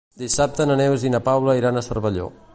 Dissabte na Neus i na Paula iran a Cervelló.